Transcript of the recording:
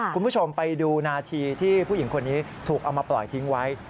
คุณผู้ชมไปดูนาทีที่ผู้หญิงคนนี้ถูกเอามาปล่อยทิ้งไว้